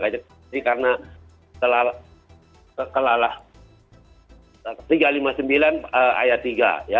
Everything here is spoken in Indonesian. jadi karena kelala kelala tiga ratus lima puluh sembilan ayat tiga ya